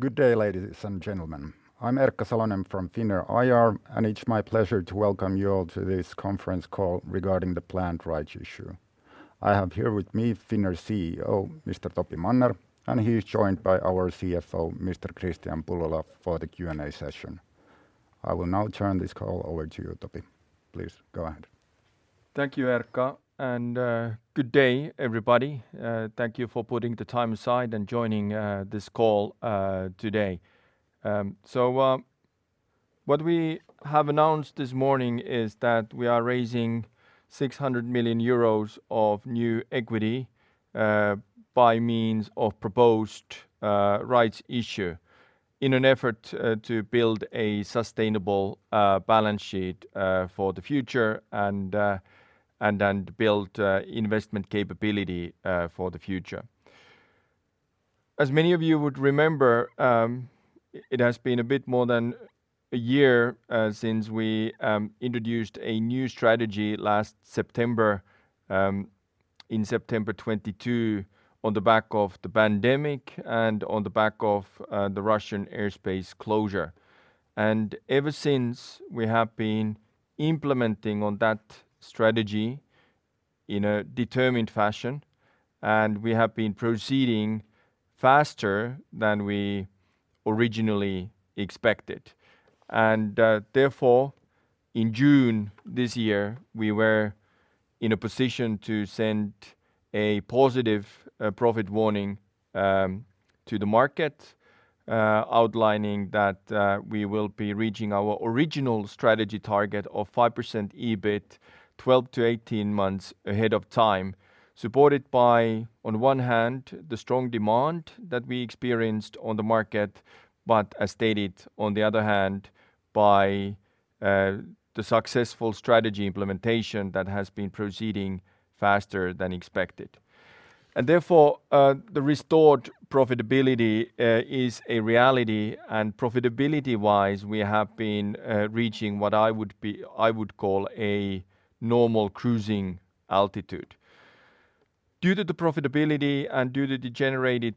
Good day, ladies and gentlemen. I'm Erkka Salonen from Finnair IR, and it's my pleasure to welcome you all to this conference call regarding the planned rights issue. I have here with me Finnair CEO, Mr. Topi Manner, and he is joined by our CFO, Mr. Kristian Pullola, for the Q&A session. I will now turn this call over to you, Topi. Please go ahead. Thank you, Erkka, and good day, everybody. Thank you for putting the time aside and joining this call today. What we have announced this morning is that we are raising 600 million euros of new equity by means of proposed rights issue in an effort to build a sustainable balance sheet for the future and, and then build investment capability for the future. As many of you would remember, it has been a bit more than a year since we introduced a new strategy last September, in September 2022, on the back of the pandemic and on the back of the Russian airspace closure. And ever since, we have been implementing on that strategy in a determined fashion, and we have been proceeding faster than we originally expected. Therefore, in June this year, we were in a position to send a positive profit warning to the market, outlining that we will be reaching our original strategy target of 5% EBIT 12-18 months ahead of time, supported by, on one hand, the strong demand that we experienced on the market, but as stated, on the other hand, by the successful strategy implementation that has been proceeding faster than expected. Therefore, the restored profitability is a reality, and profitability-wise, we have been reaching what I would call a normal cruising altitude. Due to the profitability and due to the generated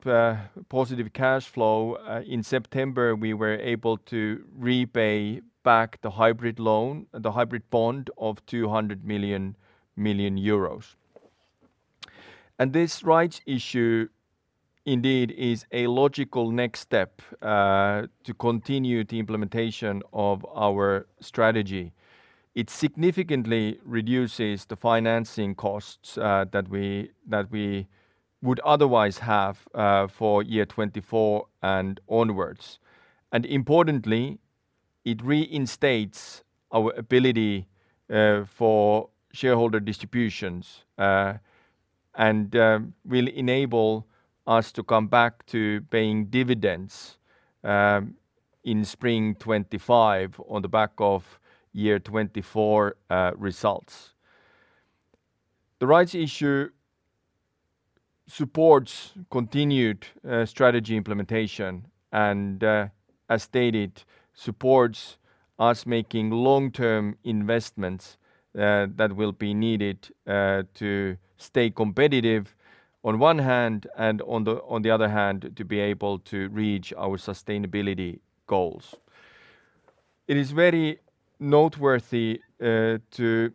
positive cash flow, in September, we were able to repay back the hybrid loan, the hybrid bond of 200 million euros. This rights issue indeed is a logical next step to continue the implementation of our strategy. It significantly reduces the financing costs that we would otherwise have for year 2024 and onwards. Importantly, it reinstates our ability for shareholder distributions and will enable us to come back to paying dividends in spring 2025 on the back of year 2024 results. The rights issue supports continued strategy implementation and, as stated, supports us making long-term investments that will be needed to stay competitive on one hand, and on the other hand, to be able to reach our sustainability goals. It is very noteworthy to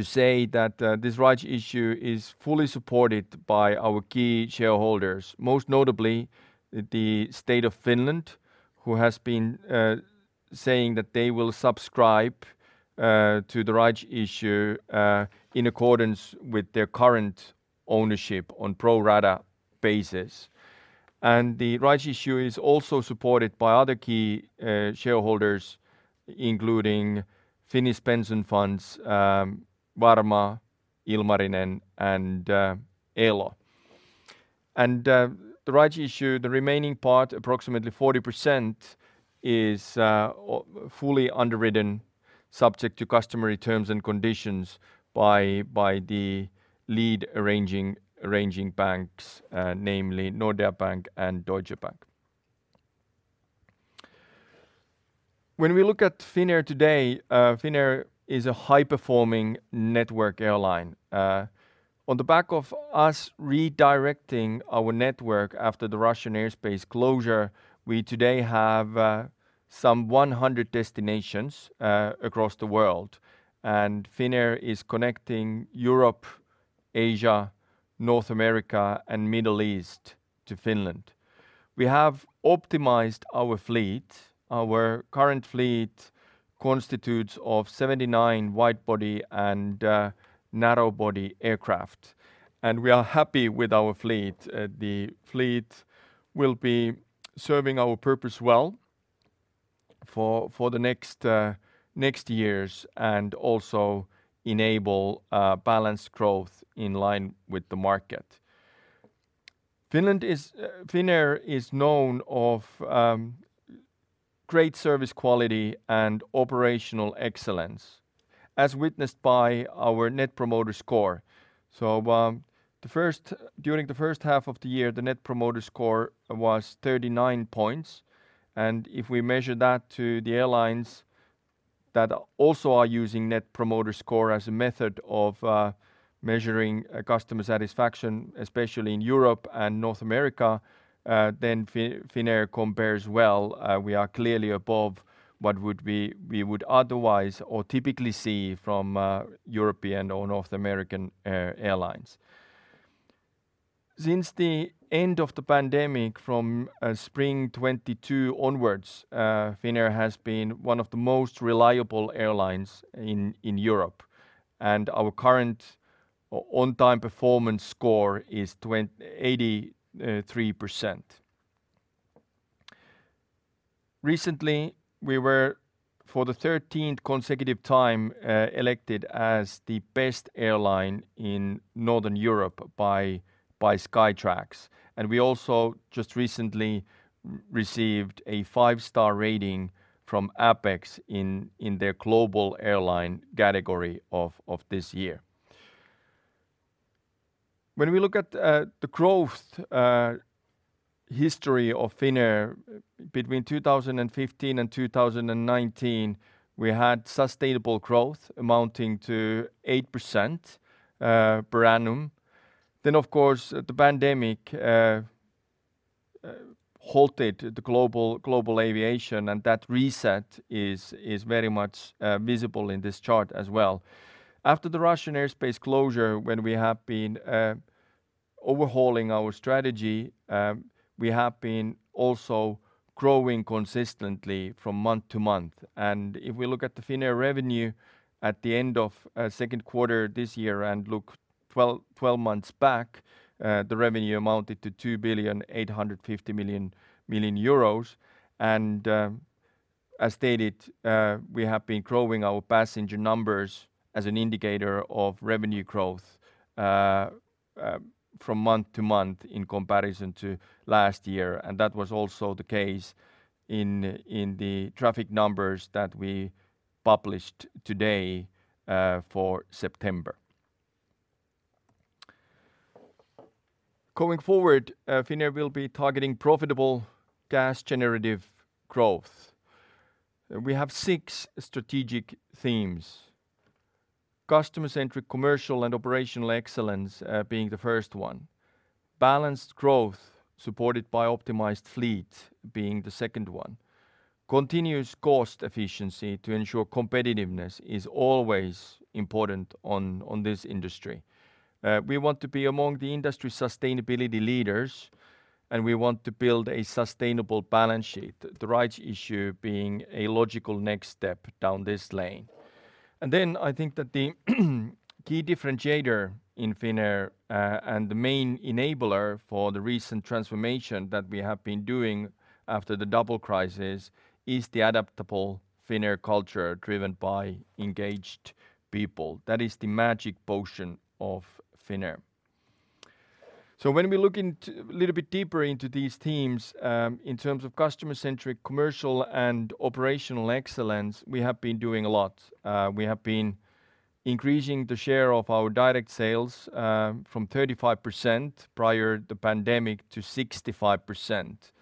say that this rights issue is fully supported by our key shareholders, most notably the State of Finland, who has been saying that they will subscribe to the rights issue in accordance with their current ownership on a pro rata basis. The rights issue is also supported by other key shareholders, including Finnish pension funds Varma, Ilmarinen, and Elo. The rights issue, the remaining part, approximately 40%, is fully underwritten, subject to customary terms and conditions, by the lead arranging banks, namely Nordea Bank and Deutsche Bank. When we look at Finnair today, Finnair is a high-performing network airline. On the back of us redirecting our network after the Russian airspace closure, we today have some 100 destinations across the world, and Finnair is connecting Europe, Asia, North America, and Middle East to Finland. We have optimized our fleet. Our current fleet constitutes of 79 wide-body and narrow-body aircraft, and we are happy with our fleet. The fleet will be serving our purpose well for the next next years and also enable balanced growth in line with the market. Finnair is known of great service quality and operational excellence, as witnessed by our Net Promoter Score. During the first half of the year, the Net Promoter Score was 39 points, and if we measure that to the airlines' p-... that also are using Net Promoter Score as a method of measuring customer satisfaction, especially in Europe and North America, then Finnair compares well. We are clearly above what would we, we would otherwise or typically see from European or North American airlines. Since the end of the pandemic from spring 2022 onwards, Finnair has been one of the most reliable airlines in Europe, and our current on-time performance score is 83%. Recently, we were, for the thirteenth consecutive time, elected as the best airline in Northern Europe by Skytrax. And we also just recently received a Five-Star Rating from APEX in their global airline category of this year. When we look at the growth history of Finnair between 2015 and 2019, we had sustainable growth amounting to 8% per annum. Then, of course, the pandemic halted the global aviation, and that reset is very much visible in this chart as well. After the Russian airspace closure, when we have been overhauling our strategy, we have been also growing consistently from month to month. And if we look at the Finnair revenue at the end of second quarter this year and look 12 months back, the revenue amounted to 2.85 billion. As stated, we have been growing our passenger numbers as an indicator of revenue growth from month to month in comparison to last year, and that was also the case in the traffic numbers that we published today for September. Going forward, Finnair will be targeting profitable, cash-generative growth. We have six strategic themes: customer-centric commercial and operational excellence being the first one. Balanced growth, supported by optimized fleet, being the second one. Continuous cost efficiency to ensure competitiveness is always important on this industry. We want to be among the industry sustainability leaders, and we want to build a sustainable balance sheet, the rights issue being a logical next step down this lane. I think that the key differentiator in Finnair, and the main enabler for the recent transformation that we have been doing after the double crisis is the adaptable Finnair culture, driven by engaged people. That is the magic potion of Finnair. When we look a little bit deeper into these themes, in terms of customer-centric commercial and operational excellence, we have been doing a lot. We have been increasing the share of our direct sales from 35% prior to the pandemic, to 65%.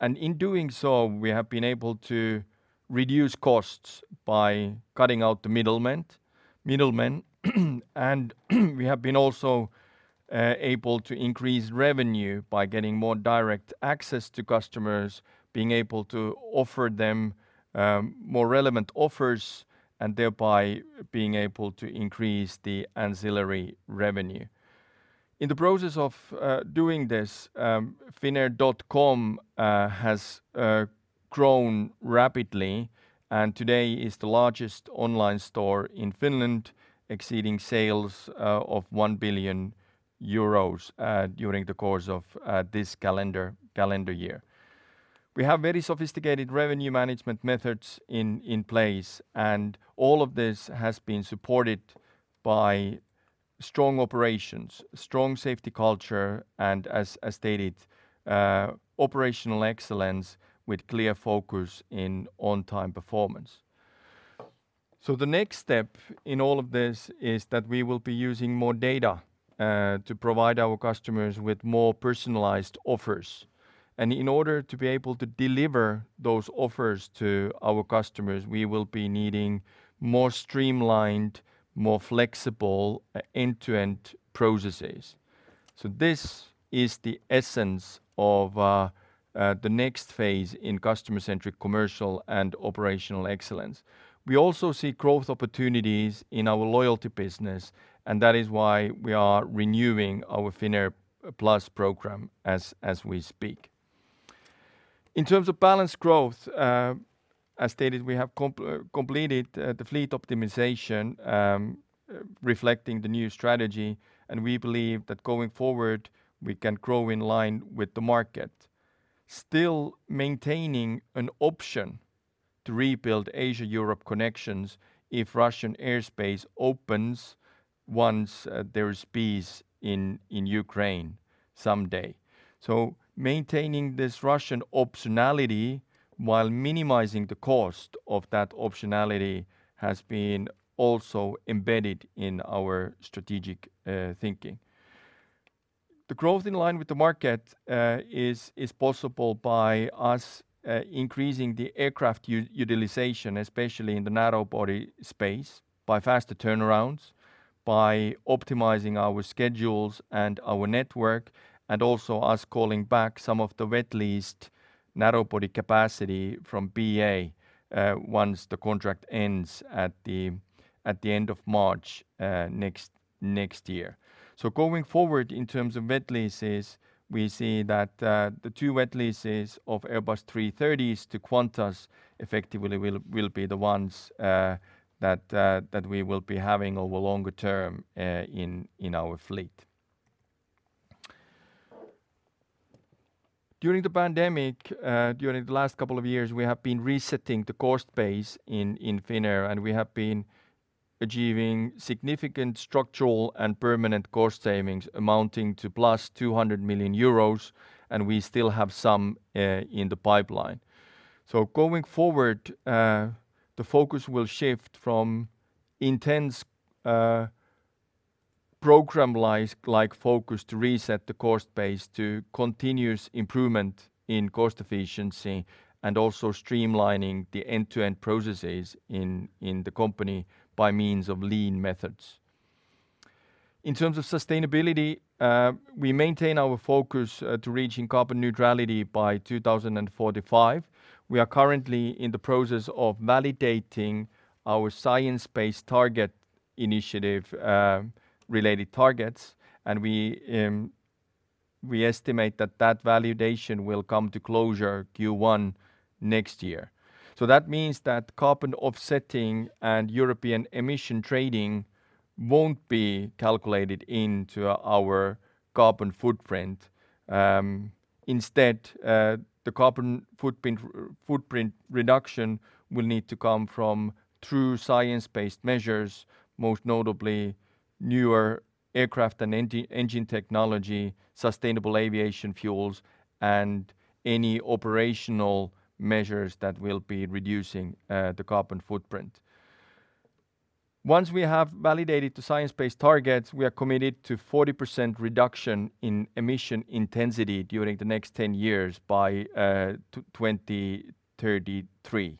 In doing so, we have been able to reduce costs by cutting out the middlemen, and we have also been able to increase revenue by getting more direct access to customers, being able to offer them more relevant offers, and thereby being able to increase the ancillary revenue. In the process of doing this, finnair.com has grown rapidly, and today is the largest online store in Finland, exceeding sales of 1 billion euros during the course of this calendar year. We have very sophisticated revenue management methods in place, and all of this has been supported by strong operations, strong safety culture, and as stated, operational excellence with clear focus in on-time performance. So the next step in all of this is that we will be using more data to provide our customers with more personalized offers. And in order to be able to deliver those offers to our customers, we will be needing more streamlined, more flexible, end-to-end processes. So this is the essence of the next phase in customer-centric commercial and operational excellence. We also see growth opportunities in our loyalty business, and that is why we are renewing our Finnair Plus program as we speak. In terms of balanced growth, as stated, we have completed the fleet optimization, reflecting the new strategy, and we believe that going forward, we can grow in line with the market. Still maintaining an option to rebuild Asia-Europe connections if Russian airspace opens once there is peace in Ukraine someday. So maintaining this Russian optionality while minimizing the cost of that optionality has been also embedded in our strategic thinking. The growth in line with the market is possible by us increasing the aircraft utilization, especially in the narrow-body space, by faster turnarounds, by optimizing our schedules and our network, and also us calling back some of the wet-leased narrow-body capacity from BA once the contract ends at the end of March next year. So going forward, in terms of wet leases, we see that the two wet leases of Airbus A330s to Qantas effectively will be the ones that we will be having over longer term in our fleet. During the pandemic, during the last couple of years, we have been resetting the cost base in Finnair, and we have been achieving significant structural and permanent cost savings amounting to plus 200 million euros, and we still have some in the pipeline. Going forward, the focus will shift from intense, program-like focus to reset the cost base to continuous improvement in cost efficiency and also streamlining the end-to-end processes in the company by means of lean methods. In terms of sustainability, we maintain our focus to reaching carbon neutrality by 2045. We are currently in the process of validating our Science Based Targets Initiative related targets, and we estimate that that validation will come to closure Q1 next year. So that means that carbon offsetting and European emission trading won't be calculated into our carbon footprint. Instead, the carbon footprint reduction will need to come from true science-based measures, most notably newer aircraft and engine technology, sustainable aviation fuels, and any operational measures that will be reducing the carbon footprint. Once we have validated the science-based targets, we are committed to 40% reduction in emission intensity during the next 10 years by 2033.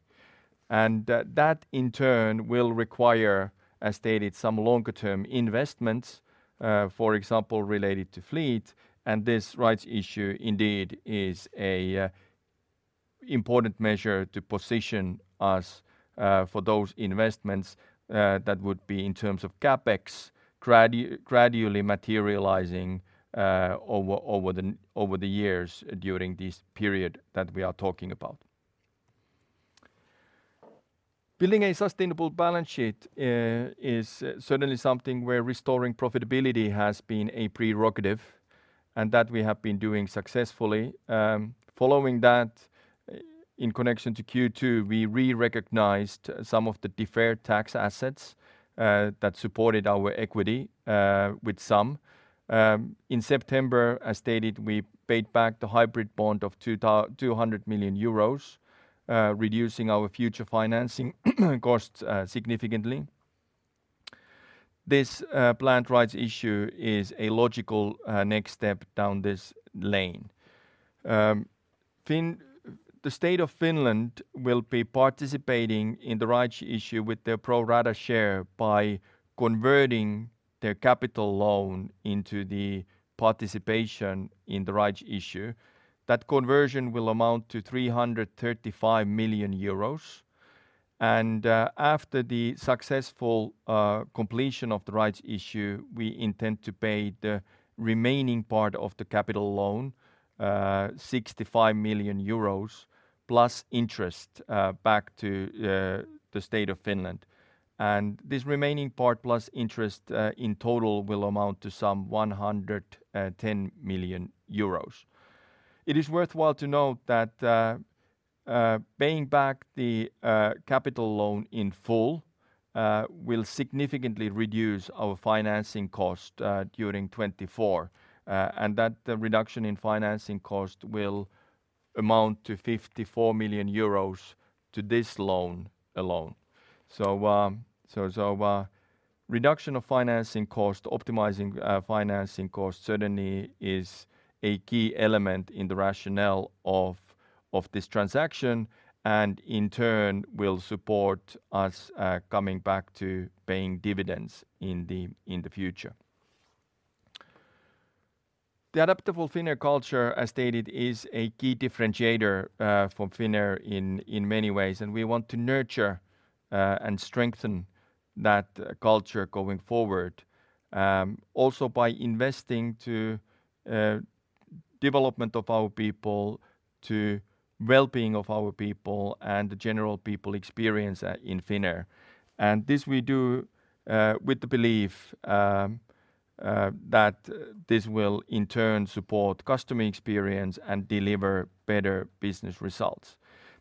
And that in turn will require, as stated, some longer-term investments, for example, related to fleet. And this rights issue indeed is a important measure to position us for those investments that would be in terms of CapEx gradually materializing over the years during this period that we are talking about. Building a sustainable balance sheet is certainly something where restoring profitability has been a prerogative, and that we have been doing successfully. Following that, in connection to Q2, we re-recognized some of the deferred tax assets that supported our equity, with some. In September, as stated, we paid back the hybrid bond of 200 million euros, reducing our future financing costs significantly. This planned rights issue is a logical next step down this lane. Finnair—the State of Finland will be participating in the rights issue with their pro rata share by converting their capital loan into the participation in the rights issue. That conversion will amount to 335 million euros. After the successful completion of the rights issue, we intend to pay the remaining part of the capital loan, 65 million euros plus interest, back to the State of Finland. This remaining part, plus interest, in total, will amount to some 110 million euros. It is worthwhile to note that paying back the capital loan in full will significantly reduce our financing cost during 2024. That reduction in financing cost will amount to 54 million euros to this loan alone. Reduction of financing cost, optimizing financing cost, certainly is a key element in the rationale of this transaction, and in turn will support us coming back to paying dividends in the future. The adaptable Finnair culture, as stated, is a key differentiator for Finnair in many ways, and we want to nurture and strengthen that culture going forward, also by investing to development of our people, to well-being of our people, and the general people experience in Finnair. This we do with the belief that this will in turn support customer experience and deliver better business results.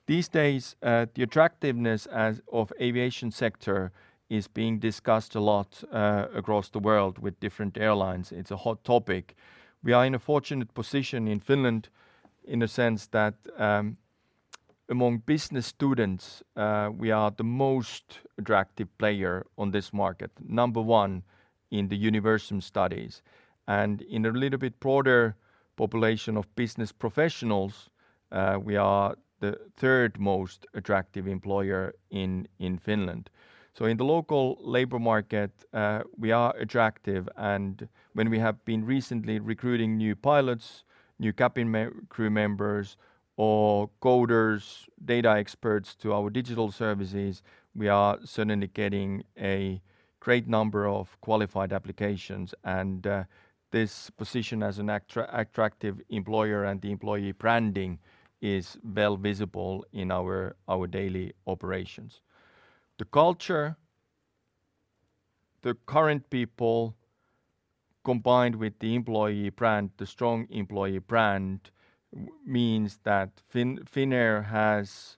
These days, the attractiveness as-- of aviation sector is being discussed a lot across the world with different airlines. It's a hot topic. We are in a fortunate position in Finland in the sense that, among business students, we are the most attractive player on this market. Number one in the Universum studies, and in a little bit broader population of business professionals, we are the third most attractive employer in Finland. So in the local labor market, we are attractive, and when we have been recently recruiting new pilots, new cabin crew members or coders, data experts to our digital services, we are certainly getting a great number of qualified applications. And this position as an attractive employer and the employee branding is well visible in our daily operations. The culture, the current people, combined with the employee brand, the strong employee brand, means that Finnair has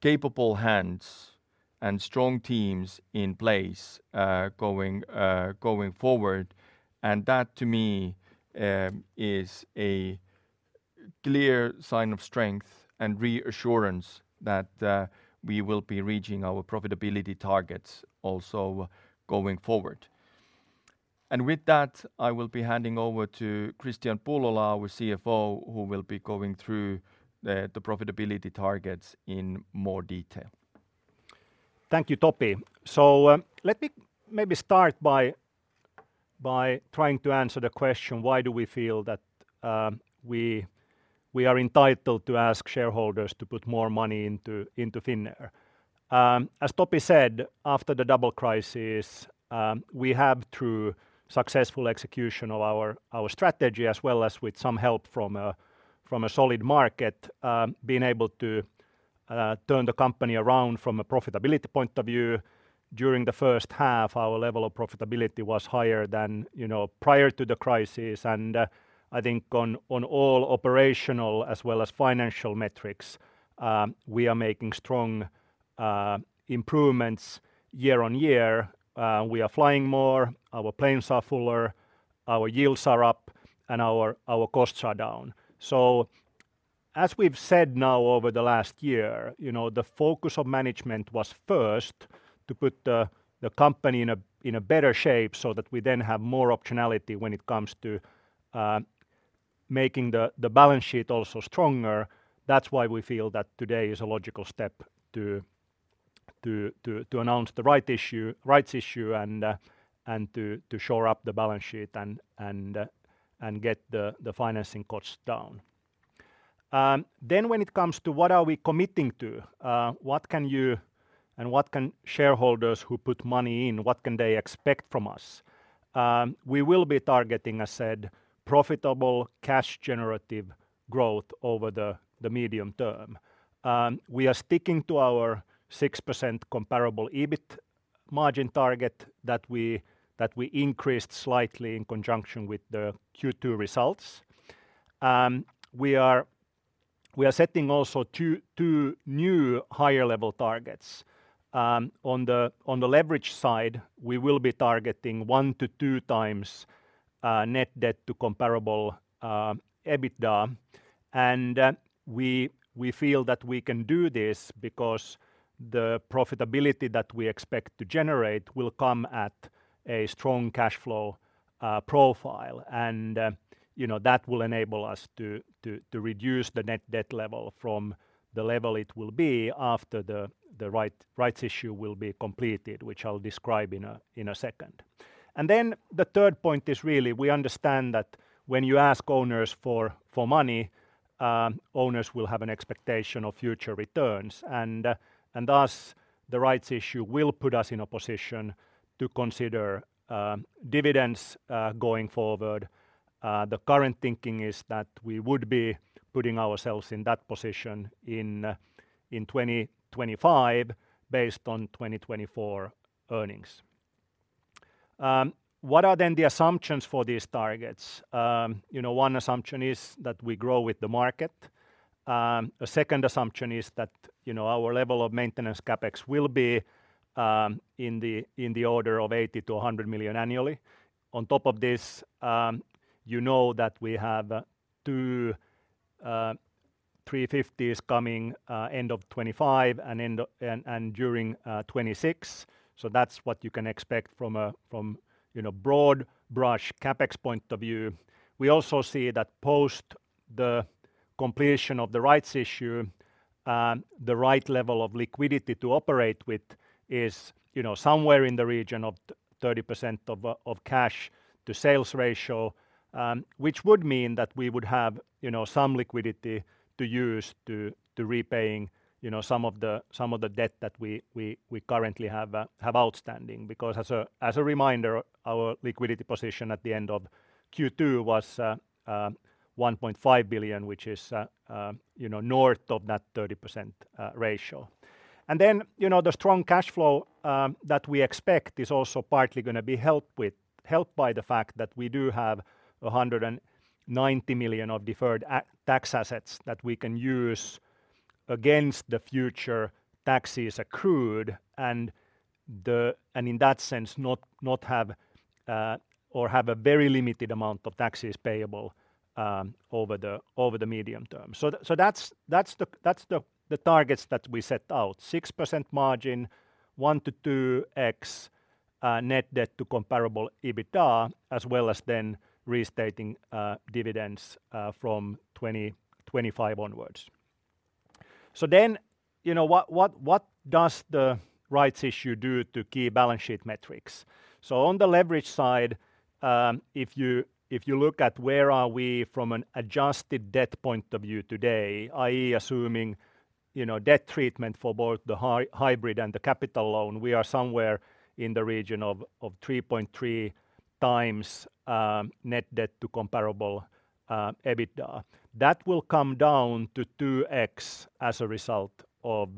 capable hands and strong teams in place, going forward. And that, to me, is a clear sign of strength and reassurance that we will be reaching our profitability targets also going forward. With that, I will be handing over to Kristian Pullola, our CFO, who will be going through the profitability targets in more detail. Thank you, Topi. So, let me maybe start by, by trying to answer the question: Why do we feel that, we, we are entitled to ask shareholders to put more money into, into Finnair? As Topi said, after the double crisis, we have, through successful execution of our, our strategy, as well as with some help from a, from a solid market, been able to, turn the company around from a profitability point of view. During the first half, our level of profitability was higher than, you know, prior to the crisis, and, I think on, on all operational as well as financial metrics, we are making strong, improvements year on year. We are flying more, our planes are fuller, our yields are up, and our, our costs are down. As we've said now over the last year, you know, the focus of management was first to put the company in a better shape so that we then have more optionality when it comes to making the balance sheet also stronger. That's why we feel that today is a logical step to announce the rights issue and to shore up the balance sheet and get the financing costs down. When it comes to what are we committing to, what can you and what can shareholders who put money in, what can they expect from us? We will be targeting, I said, profitable cash generative growth over the medium term. We are sticking to our 6% Comparable EBIT margin target that we increased slightly in conjunction with the Q2 results. We are setting also two new higher-level targets. On the leverage side, we will be targeting one to two times Net Debt to Comparable EBITDA. We feel that we can do this because the profitability that we expect to generate will come at a strong cash flow profile. You know, that will enable us to reduce the Net Debt level from the level it will be after the rights issue will be completed, which I'll describe in a second. Then the third point is really, we understand that when you ask owners for money, owners will have an expectation of future returns, and thus, the rights issue will put us in a position to consider dividends going forward. The current thinking is that we would be putting ourselves in that position in 2025, based on 2024 earnings. What are then the assumptions for these targets? You know, one assumption is that we grow with the market. A second assumption is that, you know, our level of maintenance CapEx will be in the order of 80-100 million annually. On top of this, you know that we have two or three A350s coming end of 2025 and during 2026. So that's what you can expect from a broad-brush CapEx point of view. We also see that post the completion of the rights issue, the right level of liquidity to operate with is, you know, somewhere in the region of 30% of cash-to-sales ratio. Which would mean that we would have, you know, some liquidity to use to repaying, you know, some of the debt that we currently have outstanding. Because as a reminder, our liquidity position at the end of Q2 was 1.5 billion, which is, you know, north of that 30% ratio. And then, you know, the strong cash flow that we expect is also partly gonna be helped by the fact that we do have 190 million of deferred tax assets that we can use against the future taxes accrued. And in that sense, not have or have a very limited amount of taxes payable over the medium term. So that's the targets that we set out: 6% margin, 1-2x Net Debt to Comparable EBITDA, as well as then restating dividends from 2025 onwards. So then, you know, what does the rights issue do to key balance sheet metrics? So on the leverage side, if you, if you look at where are we from an adjusted debt point of view today, i.e., assuming, you know, debt treatment for both the hybrid and the capital loan, we are somewhere in the region of 3.3 times Net Debt to Comparable EBITDA. That will come down to 2x as a result of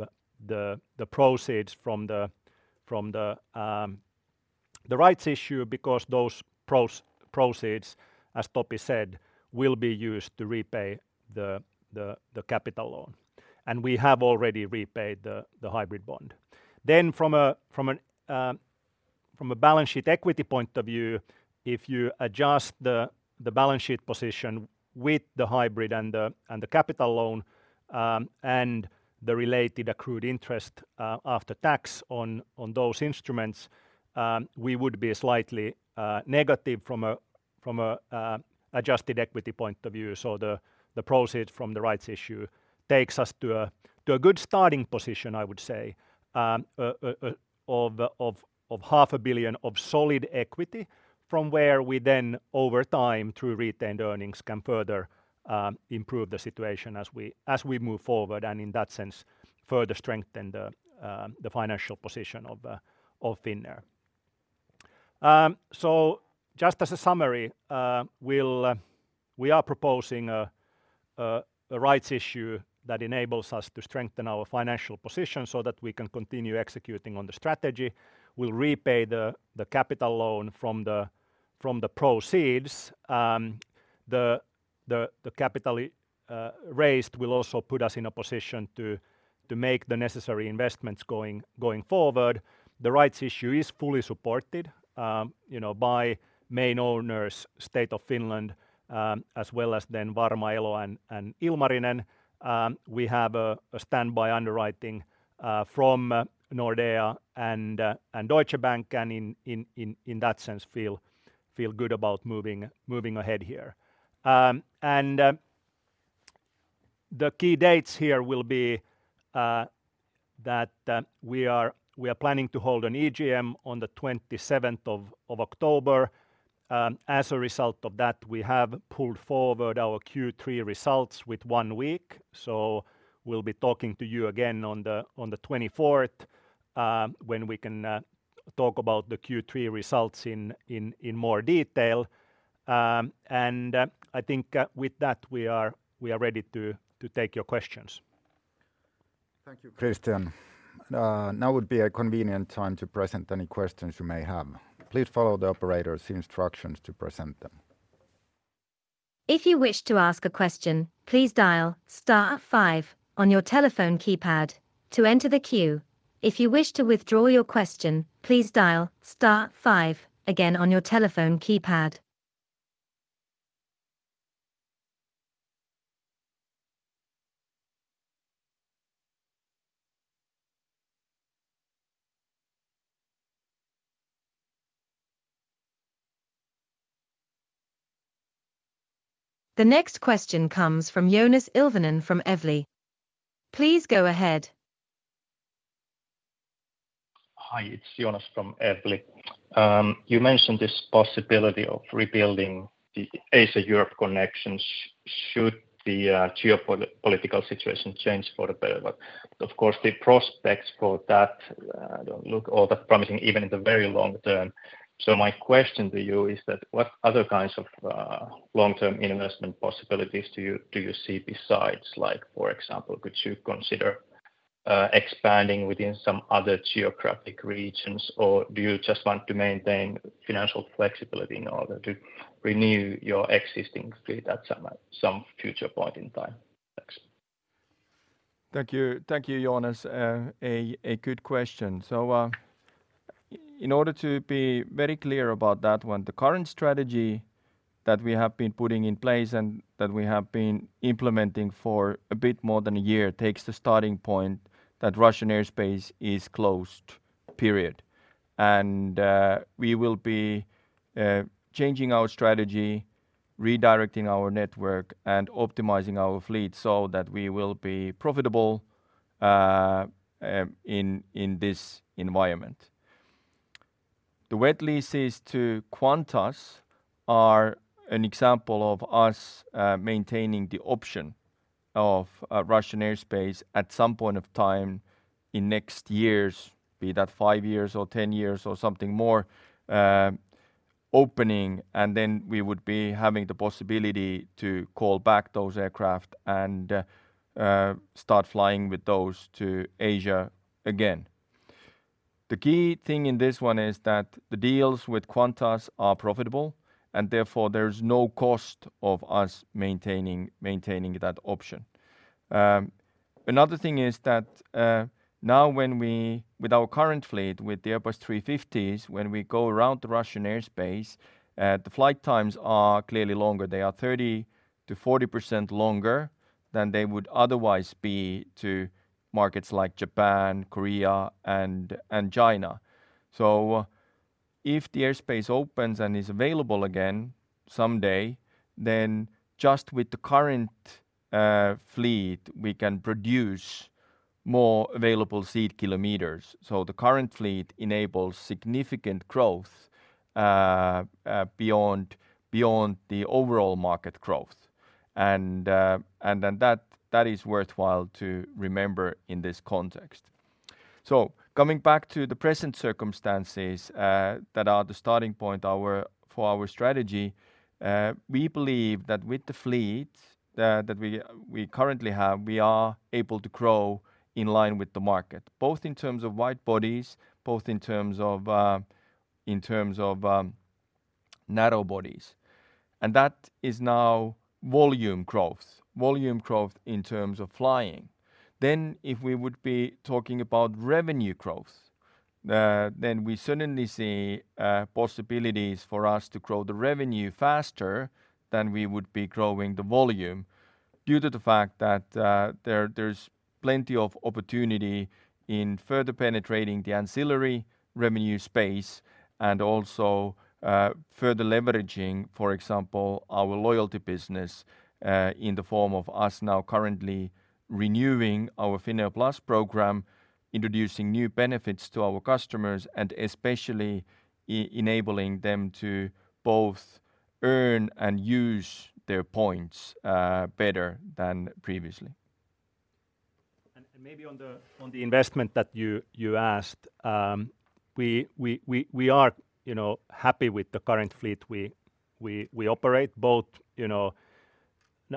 the proceeds from the rights issue, because those proceeds, as Topi said, will be used to repay the capital loan, and we have already repaid the hybrid bond. Then from a balance sheet equity point of view, if you adjust the balance sheet position with the hybrid and the capital loan, and the related accrued interest, after tax on those instruments, we would be slightly negative from an adjusted equity point of view. So the proceeds from the rights issue takes us to a good starting position, I would say, of 500 million of solid equity, from where we then, over time, through retained earnings, can further improve the situation as we move forward, and in that sense, further strengthen the financial position of Finnair. So just as a summary, we'll... We are proposing a rights issue that enables us to strengthen our financial position so that we can continue executing on the strategy. We'll repay the capital loan from the proceeds. The capital raised will also put us in a position to make the necessary investments going forward. The rights issue is fully supported, you know, by main owners, State of Finland, as well as then Varma, Elo, and Ilmarinen. We have a standby underwriting from Nordea and Deutsche Bank, and in that sense, feel good about moving ahead here. The key dates here will be that we are planning to hold an AGM on the twenty-seventh of October. As a result of that, we have pulled forward our Q3 results with one week, so we'll be talking to you again on the twenty-fourth, when we can talk about the Q3 results in more detail. And I think with that, we are ready to take your questions. Thank you, Kristian. Now would be a convenient time to present any questions you may have. Please follow the operator's instructions to present them. If you wish to ask a question, please dial star five on your telephone keypad to enter the queue. If you wish to withdraw your question, please dial star five again on your telephone keypad. The next question comes from Joonas Ilvonen from Evli. Please go ahead. Hi, it's Joonas from Evli. You mentioned this possibility of rebuilding the Asia-Europe connections should the geopolitical situation change for the better. But, of course, the prospects for that don't look all that promising, even in the very long term. So my question to you is that, what other kinds of long-term investment possibilities do you see besides? Like, for example, could you consider expanding within some other geographic regions, or do you just want to maintain financial flexibility in order to renew your existing fleet at some future point in time? Thanks. Thank you. Thank you, Joonas. A good question. So, in order to be very clear about that one, the current strategy that we have been putting in place and that we have been implementing for a bit more than a year, takes the starting point that Russian airspace is closed, period. We will be changing our strategy, redirecting our network, and optimizing our fleet so that we will be profitable, in this environment. The wet leases to Qantas are an example of us maintaining the option of Russian airspace at some point of time in next years, be that five years or 10 years or something more, opening, and then we would be having the possibility to call back those aircraft and start flying with those to Asia again. The key thing in this one is that the deals with Qantas are profitable, and therefore, there's no cost of us maintaining that option.... Another thing is that, now when we, with our current fleet, with the Airbus A350s, when we go around the Russian airspace, the flight times are clearly longer. They are 30%-40% longer than they would otherwise be to markets like Japan, Korea, and China. So if the airspace opens and is available again someday, then just with the current fleet, we can produce more available seat kilometers. So the current fleet enables significant growth beyond the overall market growth. And then that is worthwhile to remember in this context. So coming back to the present circumstances that are the starting point for our strategy, we believe that with the fleet that we currently have, we are able to grow in line with the market, both in terms of wide bodies, both in terms of narrow bodies. And that is now volume growth, volume growth in terms of flying. Then, if we would be talking about revenue growth, then we certainly see possibilities for us to grow the revenue faster than we would be growing the volume due to the fact that there, there's plenty of opportunity in further penetrating the ancillary revenue space and also further leveraging, for example, our loyalty business in the form of us now currently renewing our Finnair Plus program, introducing new benefits to our customers, and especially enabling them to both earn and use their points better than previously. Maybe on the investment that you asked, we are, you know, happy with the current fleet. We operate both, you know,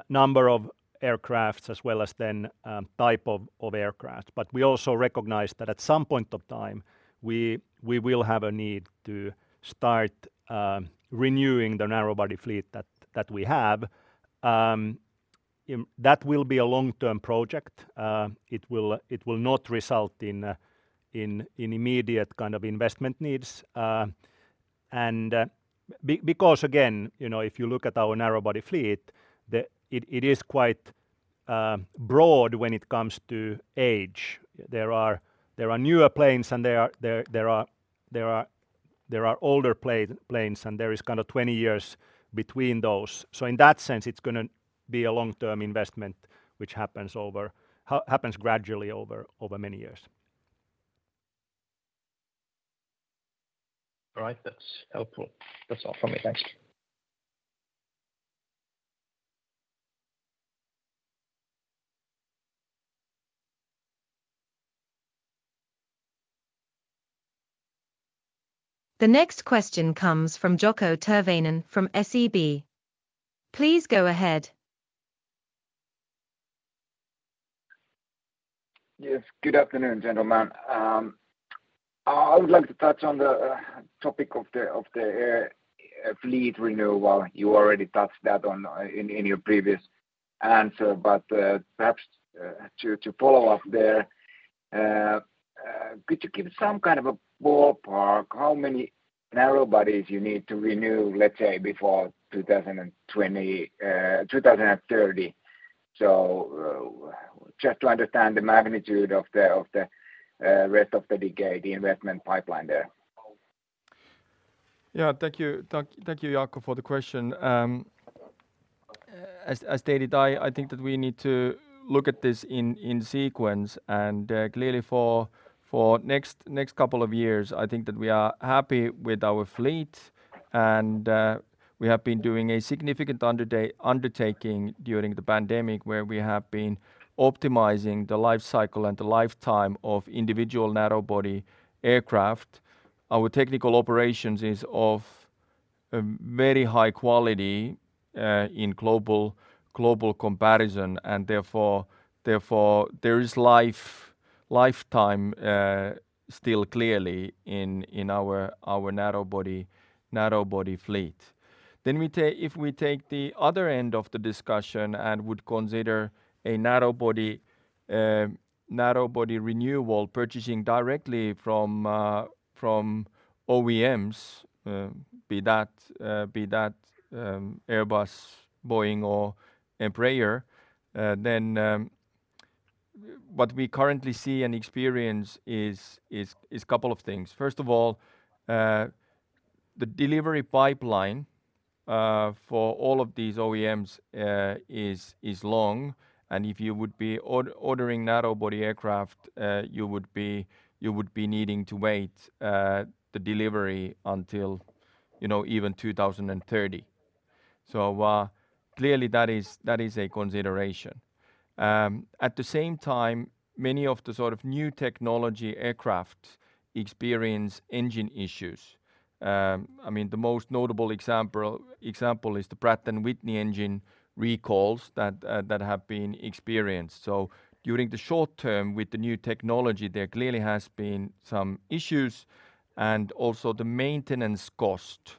number of aircrafts as well as then type of aircraft. But we also recognize that at some point of time, we will have a need to start renewing the narrow body fleet that we have. That will be a long-term project. It will not result in immediate kind of investment needs, and because again, you know, if you look at our narrow body fleet, it is quite broad when it comes to age. There are newer planes, and there are older planes, and there is kind of 20 years between those. So in that sense, it's gonna be a long-term investment, which happens gradually over many years. All right. That's helpful. That's all for me. Thank you. The next question comes from Jaakko Tyrväinen from SEB. Please go ahead. Yes, good afternoon, gentlemen. I would like to touch on the topic of the fleet renewal. You already touched that on in your previous answer, but perhaps to follow up there, could you give some kind of a ballpark, how many narrow bodies you need to renew, let's say, before 2020, 2030? So just to understand the magnitude of the rest of the decade, the investment pipeline there. Yeah. Thank you. Thank you, Jaakko, for the question. As stated, I think that we need to look at this in sequence, and clearly for the next couple of years, I think that we are happy with our fleet, and we have been doing a significant undertaking during the pandemic, where we have been optimizing the life cycle and the lifetime of individual narrowbody aircraft. Our technical operations is of a very high quality in global comparison, and therefore, there is lifetime still clearly in our narrowbody fleet. If we take the other end of the discussion and would consider a narrow body renewal, purchasing directly from OEMs, be that Airbus, Boeing or Embraer, then what we currently see and experience is a couple of things. First of all, the delivery pipeline for all of these OEMs is long, and if you would be ordering narrow-body aircraft, you would be needing to wait the delivery until, you know, even 2030. So, clearly, that is a consideration. At the same time, many of the sort of new technology aircraft experience engine issues. I mean, the most notable example is the Pratt & Whitney engine recalls that have been experienced. During the short term with the new technology, there clearly has been some issues, and also the maintenance cost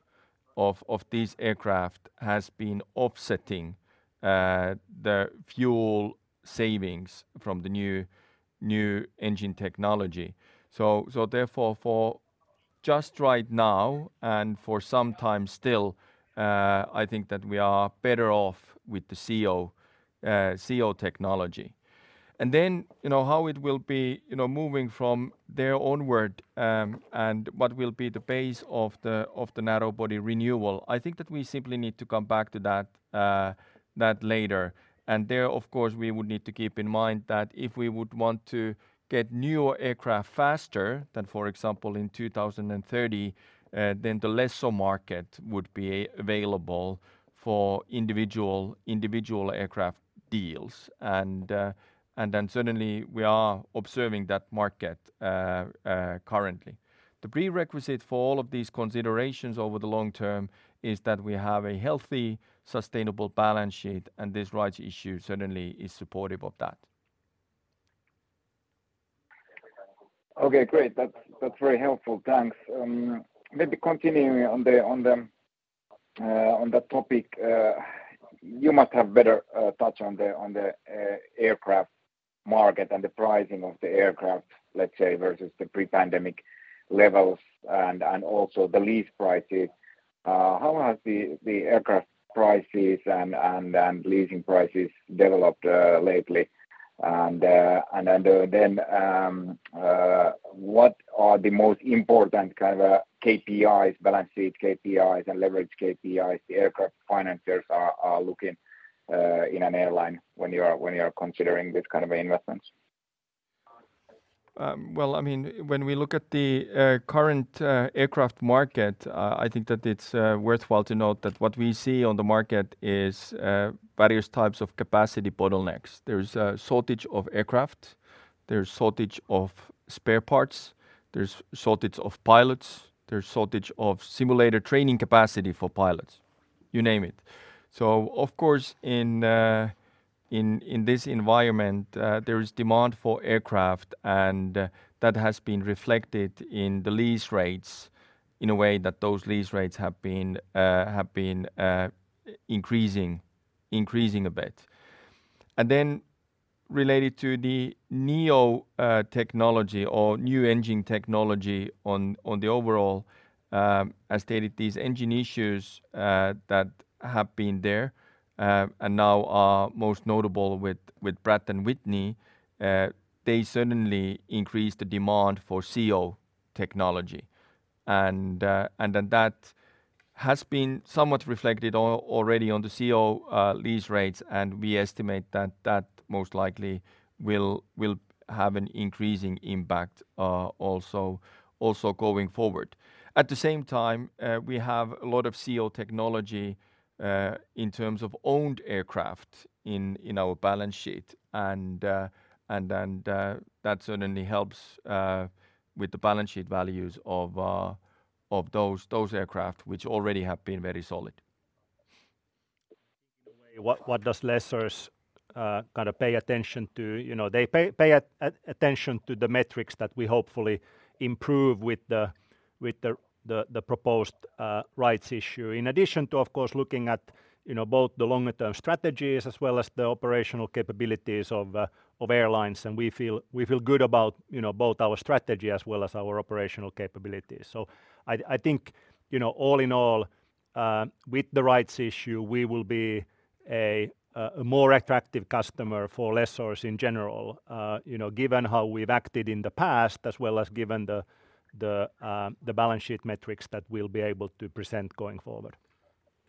of these aircraft has been offsetting the fuel savings from the new engine technology. Therefore, just right now and for some time still, I think that we are better off with the CEO Technology. You know, how it will be moving from there onward, and what will be the pace of the narrowbody renewal? I think that we simply need to come back to that later. There, of course, we would need to keep in mind that if we would want to get newer aircraft faster than, for example, in 2030, then the lessor market would be available for individual aircraft deals. And then certainly we are observing that market, currently. The prerequisite for all of these considerations over the long term is that we have a healthy, sustainable balance sheet, and this rights issue certainly is supportive of that. Okay, great. That's, that's very helpful. Thanks. Maybe continuing on the, on the, on that topic, you must have better touch on the, on the, aircraft market and the pricing of the aircraft, let's say, versus the pre-pandemic levels and also the lease prices. How has the aircraft prices and leasing prices developed lately? And then what are the most important kind of KPIs, balance sheet KPIs and leverage KPIs the aircraft financers are looking in an airline when you are considering this kind of investments? Well, I mean, when we look at the current aircraft market, I think that it's worthwhile to note that what we see on the market is various types of capacity bottlenecks. There's a shortage of aircraft, there's shortage of spare parts, there's shortage of pilots, there's shortage of simulator training capacity for pilots, you name it. So of course, in this environment, there is demand for aircraft, and that has been reflected in the lease rates in a way that those lease rates have been increasing a bit. And then related to the NEO Technology or new engine technology on the overall, as stated, these engine issues that have been there and now are most notable with Pratt & Whitney, they certainly increase the demand for CEO Technology. And then that has been somewhat reflected already on the CEO lease rates, and we estimate that that most likely will have an increasing impact also going forward. At the same time, we have a lot of CEO Technology in terms of owned aircraft in our balance sheet. And then that certainly helps with the balance sheet values of those aircraft, which already have been very solid. In a way, what does lessors kind of pay attention to? You know, they pay attention to the metrics that we hopefully improve with the proposed rights issue, in addition to, of course, looking at, you know, both the longer-term strategies as well as the operational capabilities of airlines. And we feel good about, you know, both our strategy as well as our operational capabilities. So I think, you know, all in all, with the rights issue, we will be a more attractive customer for lessors in general. You know, given how we've acted in the past, as well as given the balance sheet metrics that we'll be able to present going forward.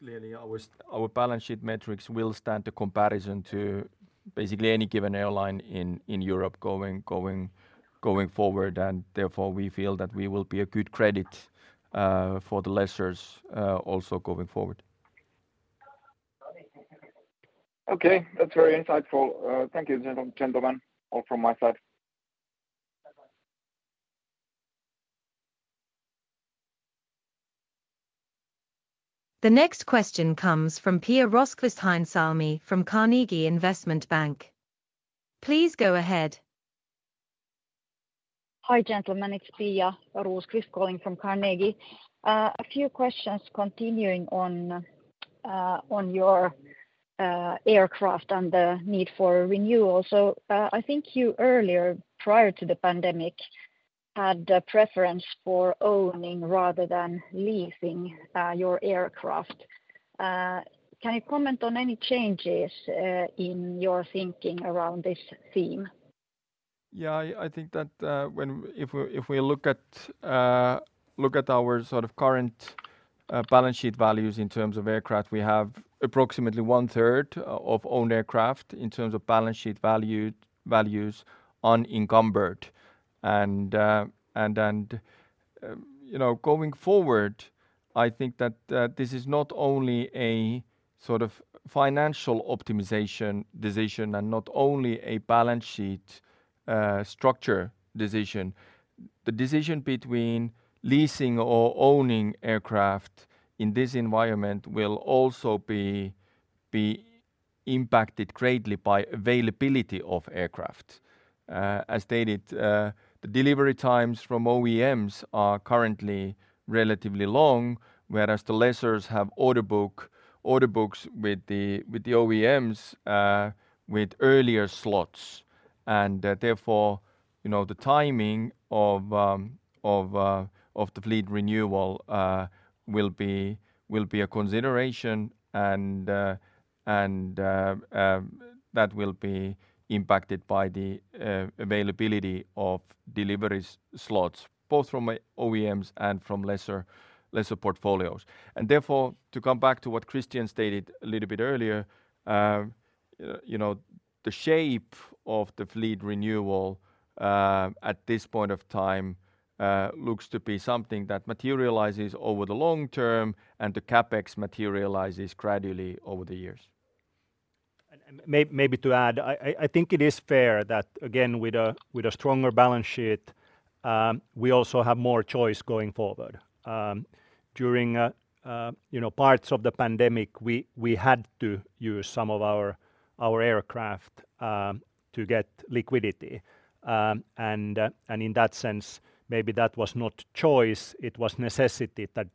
Clearly, our balance sheet metrics will stand to comparison to basically any given airline in Europe going forward, and therefore, we feel that we will be a good credit for the lessors also going forward. Okay, that's very insightful. Thank you, gentlemen, all from my side. Bye-bye. The next question comes from Pia Rosqvist, from Carnegie Investment Bank. Please go ahead. Hi, gentlemen, it's Pia Rosqvist calling from Carnegie. A few questions continuing on your aircraft and the need for renewal. So, I think you earlier, prior to the pandemic, had a preference for owning rather than leasing your aircraft. Can you comment on any changes in your thinking around this theme? Yeah, I think that if we look at our sort of current balance sheet values in terms of aircraft, we have approximately 1/3 of owned aircraft in terms of balance sheet values unencumbered. And you know, going forward, I think that this is not only a sort of financial optimization decision and not only a balance sheet structure decision. The decision between leasing or owning aircraft in this environment will also be impacted greatly by availability of aircraft. As stated, the delivery times from OEMs are currently relatively long, whereas the lessors have order books with the OEMs with earlier slots. Therefore, you know, the timing of the fleet renewal will be a consideration and that will be impacted by the availability of delivery slots, both from OEMs and from lessor portfolios. Therefore, to come back to what Kristian stated a little bit earlier, you know, the shape of the fleet renewal at this point of time looks to be something that materializes over the long term, and the CapEx materializes gradually over the years. And maybe to add, I think it is fair that, again, with a stronger balance sheet, we also have more choice going forward. During, you know, parts of the pandemic, we had to use some of our aircraft to get liquidity. And in that sense, maybe that was not choice, it was necessity that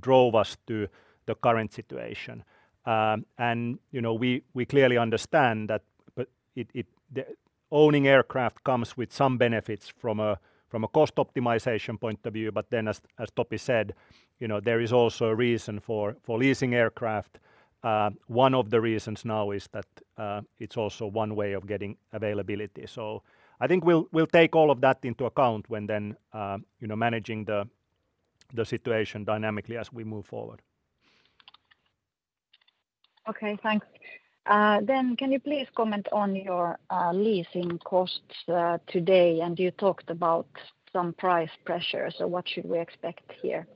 drove us to the current situation. And, you know, we clearly understand that, but it, the owning aircraft comes with some benefits from a cost optimization point of view, but then as Topi said, you know, there is also a reason for leasing aircraft. One of the reasons now is that it's also one way of getting availability. So, I think we'll take all of that into account when, you know, managing the situation dynamically as we move forward. Okay, thanks. Can you please comment on your leasing costs today? You talked about some price pressure, so what should we expect here?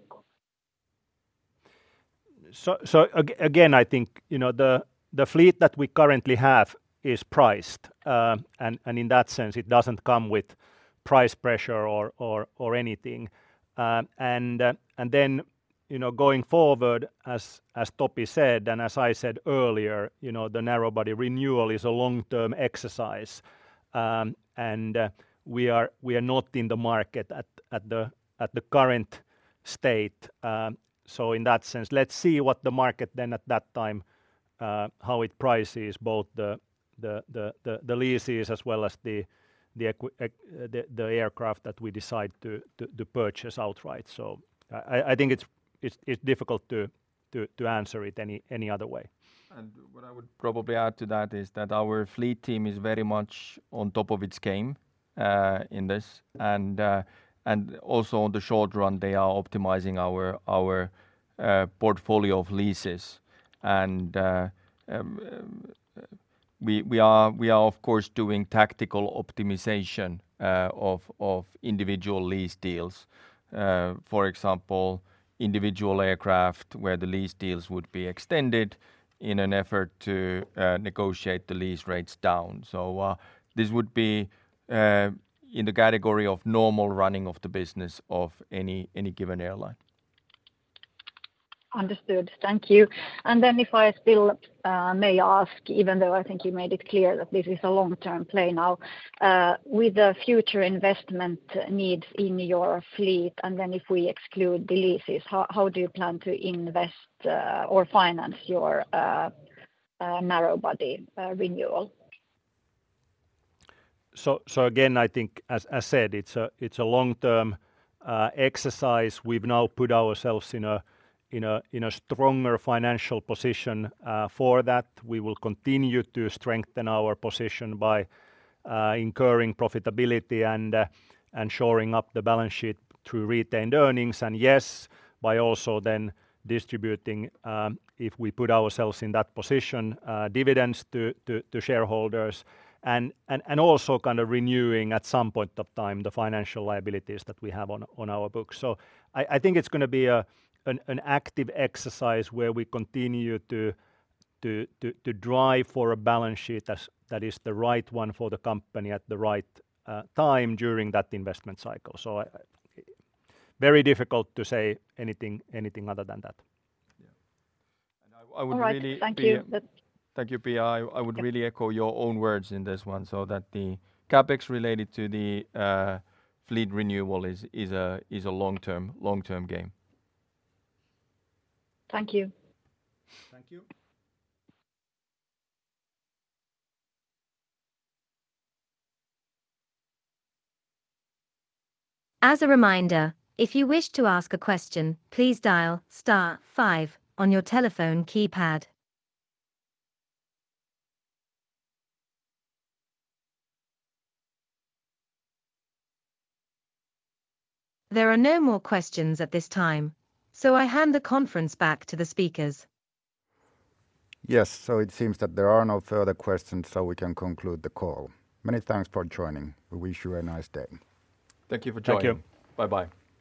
So, again, I think, you know, the fleet that we currently have is priced. And in that sense, it doesn't come with price pressure or anything. And then, you know, going forward, as Topi said, and as I said earlier, you know, the narrow body renewal is a long-term exercise. And we are not in the market at the current state. So in that sense, let's see what the market then at that time how it prices both the leases as well as the aircraft that we decide to purchase outright. So I think it's difficult to answer it any other way. What I would probably add to that is that our fleet team is very much on top of its game in this. And also on the short run, they are optimizing our portfolio of leases. And we are, of course, doing tactical optimization of individual lease deals. For example, individual aircraft where the lease deals would be extended in an effort to negotiate the lease rates down. So this would be in the category of normal running of the business of any given airline. Understood. Thank you. If I still may ask, even though I think you made it clear that this is a long-term play now, with the future investment needs in your fleet, and then if we exclude the leases, how do you plan to invest or finance your narrow body renewal? I think as said, it's a long-term exercise. We've now put ourselves in a stronger financial position. For that, we will continue to strengthen our position by incurring profitability and shoring up the balance sheet through retained earnings. Yes, by also then distributing, if we put ourselves in that position, dividends to shareholders, and also kind of renewing, at some point of time, the financial liabilities that we have on our books. I think it's gonna be an active exercise where we continue to drive for a balance sheet that is the right one for the company at the right time during that investment cycle. Very difficult to say anything other than that. Yeah. And I would really- All right. Thank you. Thank you, Pia. I would really echo your own words in this one, so that the CapEx related to the fleet renewal is a long-term, long-term game. Thank you. Thank you. As a reminder, if you wish to ask a question, please dial star five on your telephone keypad. There are no more questions at this time, so I hand the conference back to the speakers. Yes, so it seems that there are no further questions, so we can conclude the call. Many thanks for joining. We wish you a nice day. Thank you for joining. Thank you. Bye-bye.